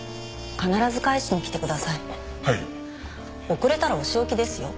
遅れたらお仕置きですよ。